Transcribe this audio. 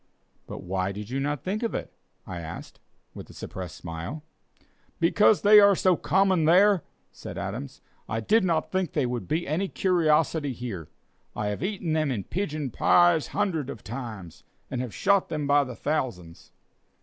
"But why did you not think of it?" I asked, with a suppressed smile. "Because they are so common there," said Adams, "I did not think they would be any curiosity here. I have eaten them in pigeon pies hundreds of times, and have shot them by the thousands!"